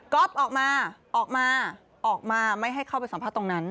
ก็ออกมาออกมาไม่ให้เข้าไปสัมภาษณ์ตรงนั้น